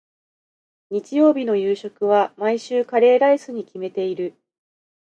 日曜日の夕食は、毎週カレーライスに決めている。